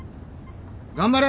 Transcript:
頑張れ！